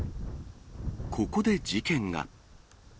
ここで事件が。